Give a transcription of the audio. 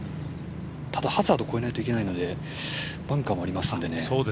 ただハザード越えないといけないのでバンカーもありますんでね。